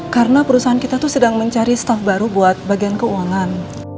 karena perusahaan kita tuh sedang mencari staff baru buat bagian keuangan